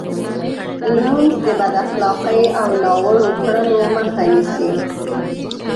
لمونځ د بد اخلاقۍ او ناوړو کړنو مخه نیسي.